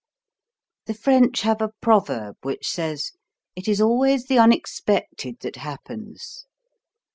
The French have a proverb which says: "It is always the unexpected that happens."